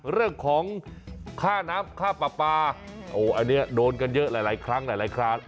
เรื่องของค่าน้ำค่าปลาปลาอันนี้โดนกันเยอะหลายครั้งหลายคราว